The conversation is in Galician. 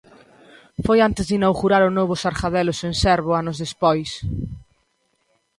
Foi antes de inaugurar o novo Sargadelos en Cervo anos despois.